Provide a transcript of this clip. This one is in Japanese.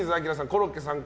コロッケさん